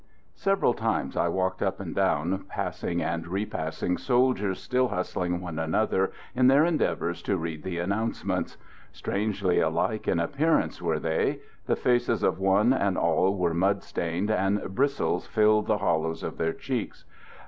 Several times I walked up and down, passing and 1 repassing soldiers still hustling one another in their endeavors to read the announcements. Strangely alike in appearance were they. The faces of one and all were mud stained and bristles filled the hol lows of their cheeks.